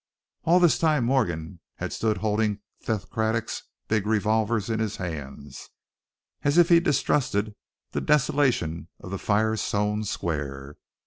All this time Morgan had stood holding Seth Craddock's big revolvers in his hands, as if he distrusted the desolation of the fire sown square.